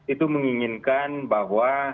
itu menginginkan bahwa